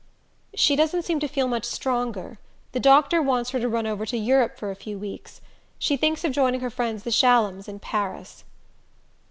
"She doesn't seem to feel much stronger. The doctor wants her to run over to Europe for a few weeks. She thinks of joining her friends the Shallums in Paris."